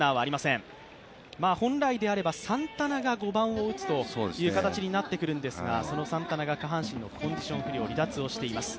本来であればサンタナが５番を打つ形になってくるんですが、そのサンタナが下半身のコンディション不良、離脱をしています。